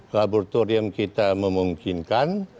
laboratorium kita memungkinkan